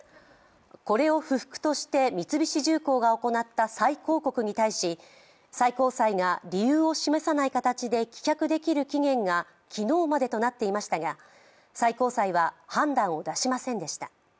これを不服として三菱重工が行った再抗告に対し最高裁が理由を示さない形で棄却できる期限が昨日までとなっていましたが最高裁は判断を出しませんでした。